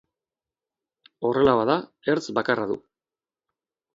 Horrela bada, ertz bakarra du.